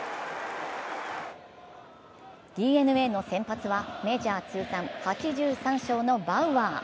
ＤｅＮＡの先発はメジャー通算８３勝のバウアー。